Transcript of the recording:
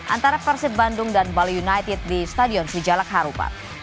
antara persib bandung dan bali united di stadion sijalak harupat